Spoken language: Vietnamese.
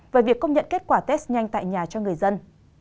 về việc công nhận kết quả test nhanh tại nhà cho người dân